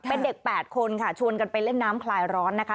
เป็นเด็ก๘คนค่ะชวนกันไปเล่นน้ำคลายร้อนนะคะ